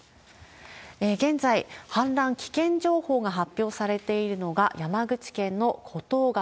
現在、氾濫危険情報が発表されているのが山口県の厚東川。